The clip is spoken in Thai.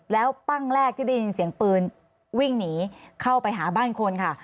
แล้วปั้งแรกที่ได้ยินเสียงปืนวิ่งหนีเข้าไปหาบ้านคนค่ะ